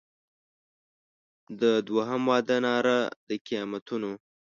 د دوهم واده ناره د قیامتونو